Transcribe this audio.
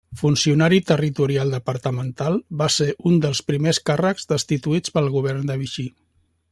Funcionari territorial departamental, va ser un dels primers càrrecs destituïts pel govern de Vichy.